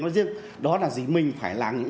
nói riêng đó là gì mình phải là những